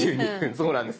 そうなんです。